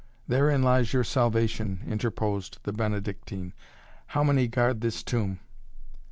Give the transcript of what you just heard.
"Therein lies your salvation," interposed the Benedictine. "How many guard this tomb?"